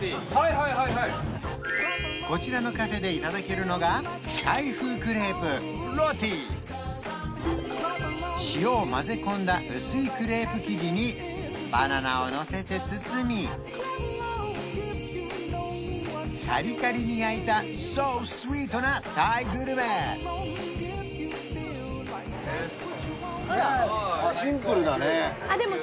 はいはいはいこちらのカフェでいただけるのがタイ風クレープロティ塩を混ぜ込んだ薄いクレープ生地にバナナをのせて包みカリカリに焼いたソースイートなタイグルメイエスシンプルだね